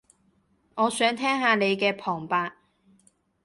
我想聽下你嘅旁白